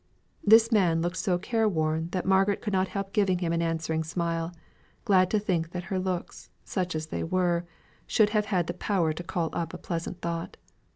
This man looked so careworn that Margaret could not help giving him an answering smile, glad to think that her looks, such as they were, should have had the power to call up a pleasant thought.